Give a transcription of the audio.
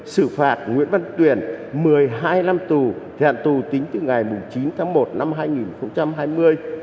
xử phạt nguyễn văn tuyển một mươi hai năm tù thì hạn tù tính từ ngày chín tháng một năm hai nghìn hai mươi